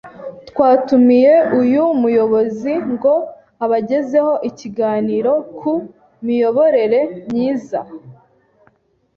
twatumiye uyu muyobozi ngo abagezeho ikiganiro ku miyoborere myiza